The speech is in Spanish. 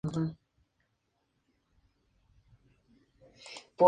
Las siguientes características se les fueron dadas al pescado.